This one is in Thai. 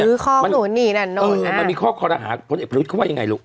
ของหนูนี่นั่นนู่นมันมีข้อคอรหาพลเอกประยุทธ์เขาว่ายังไงลูก